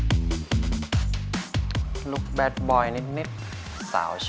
โอ้โหแต่เลน่า